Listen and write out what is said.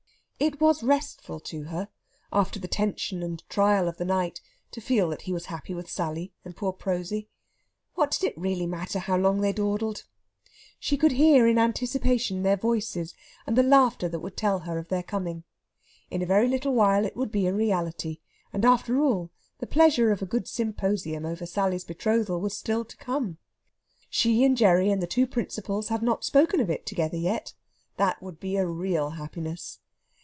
It was restful to her, after the tension and trial of the night, to feel that he was happy with Sally and poor Prosy. What did it really matter how long they dawdled? She could hear in anticipation their voices and the laughter that would tell her of their coming. In a very little while it would be a reality, and, after all, the pleasure of a good symposium over Sally's betrothal was still to come. She and Gerry and the two principals had not spoken of it together yet. That would be a real happiness.